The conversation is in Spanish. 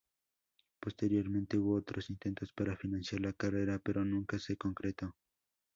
Posteriormente hubo otros intentos para financiar la carrera, pero nunca se concretó.